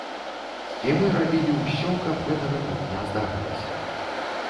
І мы рабілі ўсё, каб гэтага тут не здарылася.